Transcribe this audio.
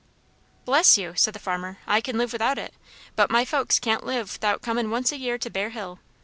"Bless you!" said the farmer, "I kin live without it; but my folks can't live 'thout comin' once a year to Bear Hill.